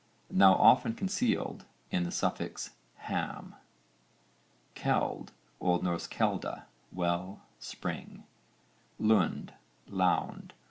Now often concealed in the suffix ham. KELD. O.N. kelda, well, spring. LUND, lound.